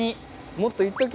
もっと言っとき！